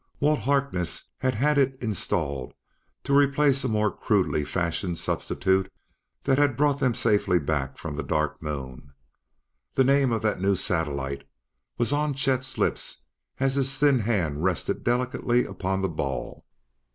Walt Harkness had had it installed to replace a more crudely fashioned substitute that had brought them safely back from the Dark Moon. The name of that new satellite was on Chet's lips as his thin hand rested delicately upon the ball.